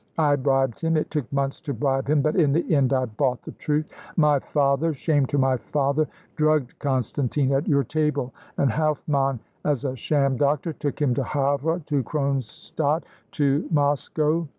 I bribed him; it took months to bribe him, but in the end I bought the truth. My father shame to my father drugged Constantine at your table, and Helfmann as a sham doctor took him to Havre, to Kronstadt, to Moscow.